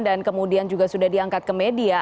dan kemudian juga sudah diangkat ke media